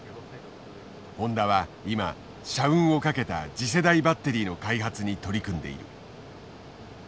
ホンダは今社運をかけた次世代バッテリーの開発に取り組んでいる。